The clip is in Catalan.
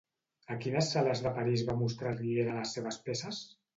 A quines sales de París va mostrar Riera les seves peces?